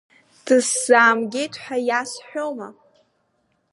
Дысзаамгеит ҳәа иасҳәома?